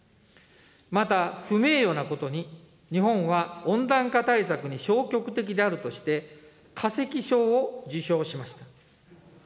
また不名誉なことに、日本は温暖化対策に消極的であるとして、化石賞を受賞しました。